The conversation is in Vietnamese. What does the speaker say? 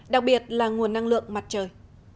đặc biệt là nguồn năng lượng mặt trời